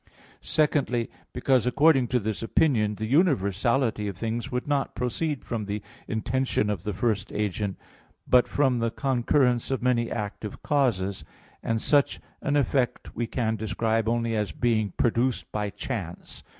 Secondly, because, according to this opinion, the universality of things would not proceed from the intention of the first agent, but from the concurrence of many active causes; and such an effect we can describe only as being produced by chance.